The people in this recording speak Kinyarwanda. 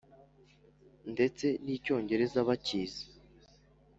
Ndetse n'icyongereza bacyizi